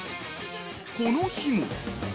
［この日も］